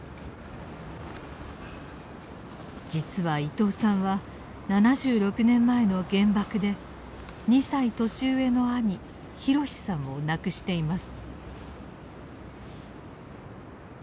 実は伊東さんは７６年前の原爆で２歳年上の兄宏さんを亡くしています。